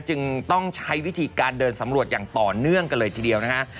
จึงต้องใช้วิธีการเดินสำรวจอย่างต่อเนื่องกันเลยทีเดียวนะฮะ